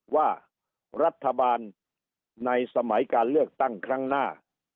ว่ารัฐบาลในสมัยการเลือกตั้งครั้งหน้า